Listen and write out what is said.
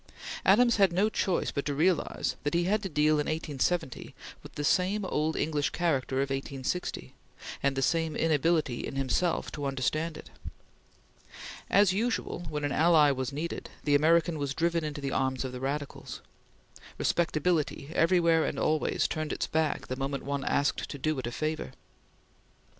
Adams had no choice but to realize that he had to deal in 1870 with the same old English character of 1860, and the same inability in himself to understand it. As usual, when an ally was needed, the American was driven into the arms of the radicals. Respectability, everywhere and always, turned its back the moment one asked to do it a favor.